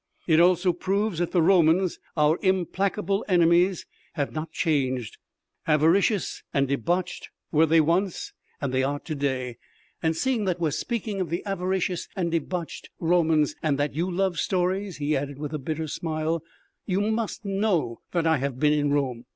"It also proves that the Romans, our implacable enemies, have not changed. Avaricious and debauched were they once and are to day. And seeing that we are speaking of the avaricious and debauched Romans and that you love stories," he added with a bitter smile, "you must know that I have been in Rome